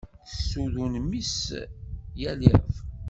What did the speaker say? Tessudun mmi-s yal iḍ.